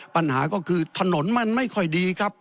ปัญหาก็คือถนนมันไม่ค่อยดีครับ